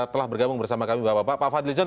telah bergabung bersama kami bapak bapak pak fadlizon